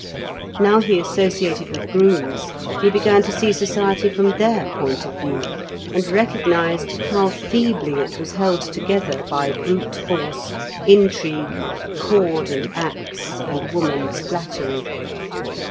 Now he associated with grooms, he began to see society from their point of view, and recognised how feebly it was held together by brute force, intrigue, cord and axe, and woman's flattery.